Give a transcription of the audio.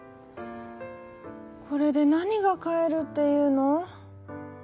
これでなにがかえるっていうの」。